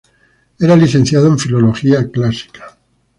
Era licenciado en filología clásica.